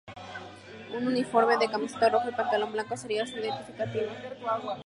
Un uniforme de camiseta roja y pantalón blanco sería su identificativo.